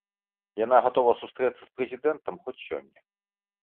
Яна гатова сустрэцца з прэзідэнтам хоць сёння.